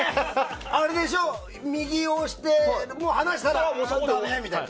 あれでしょ、右を押して離したらダメ！みたいな。